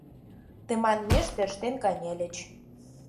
Тыманмеш тӧрштен кынельыч.